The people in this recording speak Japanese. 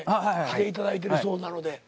はいいただいてるそうなので。